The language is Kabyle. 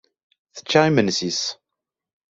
Tečča imensi-s.